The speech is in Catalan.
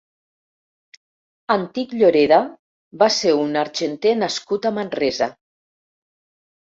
Antic Lloreda va ser un argenter nascut a Manresa.